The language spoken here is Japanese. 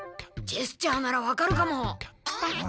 ジェスチャーならわかるかも。